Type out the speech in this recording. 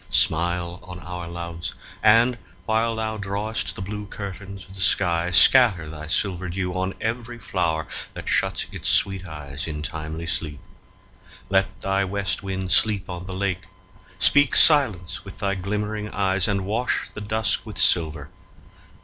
Smile on our loves; and, while thou drawest the Blue curtains of the sky, scatter thy silver dew On every flower that shuts its sweet eyes In timely sleep. Let thy West Wind sleep on The lake; speak silence with thy glimmering eyes, And wash the dusk with silver.